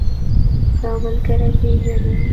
دا ملګری پيژنې؟